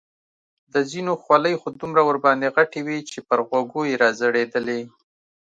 د ځینو خولۍ خو دومره ورباندې غټې وې چې پر غوږو یې را ځړېدلې.